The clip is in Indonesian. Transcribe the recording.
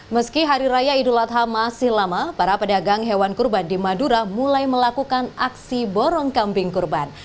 meski hari raya idul adha masih lama para pedagang hewan kurban di madura mulai melakukan aksi borong kambing kurban